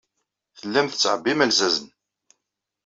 Tellam tettɛebbim alzazen.